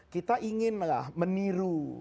kita inginlah meniru